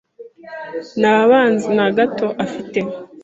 Nta banzi na gato afite.